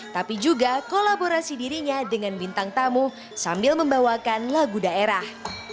tapi juga kolaborasi dirinya dengan bintang tamu sambil membawakan lagu daerah